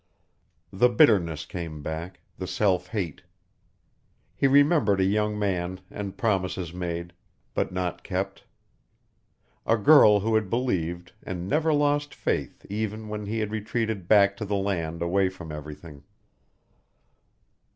The bitterness came back, the self hate. He remembered a young man and promises made, but not kept; a girl who had believed and never lost faith even when he had retreated back to the land away from everything.